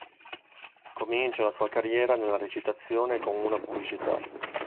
Comincia la sua carriera nella recitazione con una pubblicità.